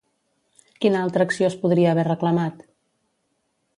Quina altra acció es podria haver reclamat?